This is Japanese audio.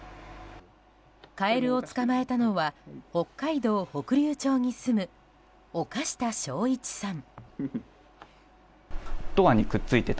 カエルを捕まえたのは北海道北竜町に住む岡下翔一さん。